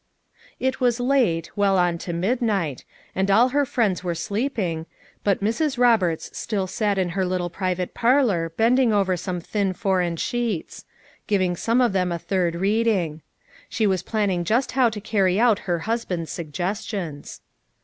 It was late, well on to midnight, and all her friends were sleeping, but Mrs. Eoberts still sat in her little private parlor bending over some thin foreign sheets ; giving some of them a third reading. She was planning just how to carry out her husband's suggestions.